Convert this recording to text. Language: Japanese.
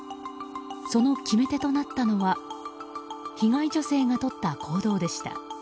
その決め手となったのは被害女性がとった行動でした。